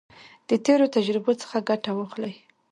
د تیرو تجربو څخه ګټه واخلئ.